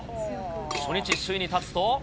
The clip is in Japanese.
初日、首位に立つと。